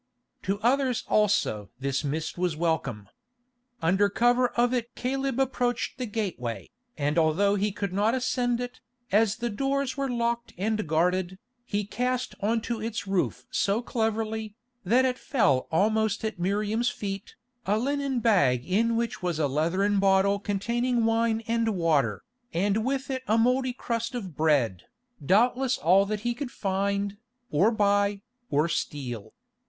To others also this mist was welcome. Under cover of it Caleb approached the gateway, and although he could not ascend it, as the doors were locked and guarded, he cast on to its roof so cleverly, that it fell almost at Miriam's feet, a linen bag in which was a leathern bottle containing wine and water, and with it a mouldy crust of bread, doubtless all that he could find, or buy, or steal.